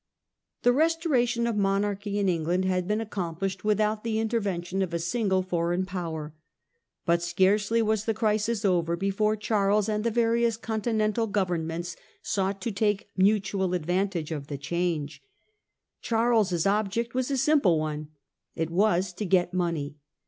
The restoration of monarchy in England had been accomplished without the intervention of a single foreign power. But scarcely was the crisis over before Charles and the various continental Governments sought to take mutual advantage of the change. 1660. Relations of England with Continent, ioi Charles's object was a simple one ; it was to get money.